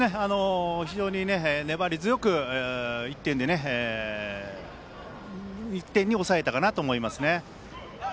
非常に粘り強く１点に抑えたかなと思いますね。